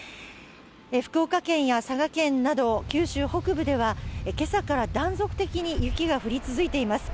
福岡県や佐賀県など九州北部では、今朝から断続的に雪が降り続いています。